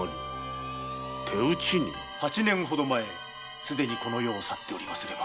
八年ほど前すでにこの世を去っておりますれば。